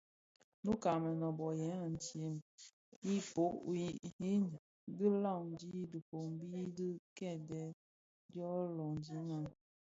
Nnouka a Mënōbō yè adyèm i mbōg wui inne dhi nlaňi dhifombi di kidèè dyo londinga.